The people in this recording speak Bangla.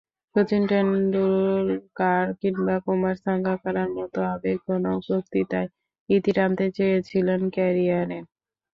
শচীন টেন্ডুলকার কিংবা কুমার সাঙ্গাকারার মতো আবেগঘন বক্তৃতায় ইতি টানতে চেয়েছিলেন ক্যারিয়ারের।